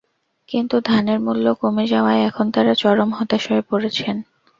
কিন্তু ধানের মূল্য কমে যাওয়ায় এখন তাঁরা চরম হতাশ হয়ে পড়েছেন।